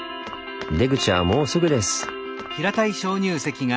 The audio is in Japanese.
出口はもうすぐです。